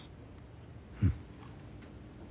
うん。